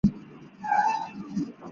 它是阴茎摩擦底下的一个分支。